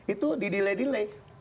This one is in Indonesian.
itu di delay delay